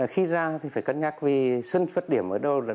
khi ra thì phải cân nhắc vì sân xuất điểm ở đâu